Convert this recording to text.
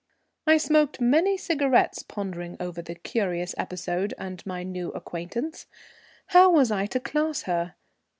I smoked many cigarettes pondering over the curious episode and my new acquaintance. How was I to class her?